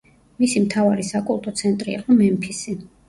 მისი მთავარი საკულტო ცენტრი იყო მემფისი.